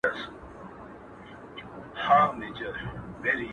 د جهنم وروستۍ لمحه ده او څه ستا ياد دی